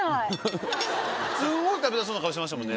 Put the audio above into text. すんごい食べたそうな顔してましたもんね。